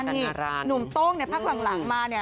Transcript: นี่หนุ่มโต้งในพักหลังมาเนี่ย